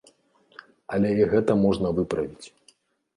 Але і гэта можна выправіць.